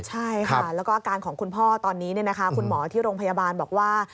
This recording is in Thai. ใช่ค่ะแล้วก็อาการของคุณพ่อตอนนี้คุณหมอที่โรงพยาบาลบอกว่า